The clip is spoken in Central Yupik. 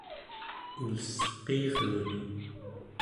ulesqiirluni